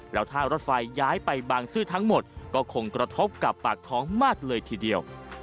แล้วถ้ารถไฟย้ายไปบางซื่อทั้งหมดก็คงกระทบกับปากท้องมากเลยทีเดียว